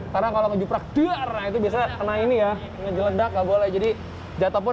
karena kalau ngejuprak dara itu bisa kena ini ya ngejelek tak boleh jadi jatuh pun